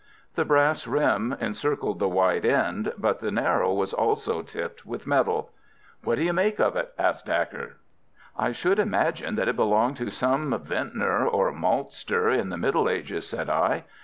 The brass rim encircled the wide end, but the narrow was also tipped with metal. "What do you make of it?" asked Dacre. "I should imagine that it belonged to some vintner or maltster in the middle ages," said I.